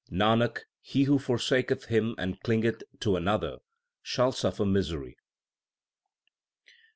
Nanak, he who forsaketh Him and clingeth to another shall suffer misery.